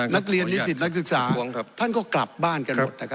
นักเรียนนิสิตนักศึกษาท่านก็กลับบ้านกันหมดนะครับ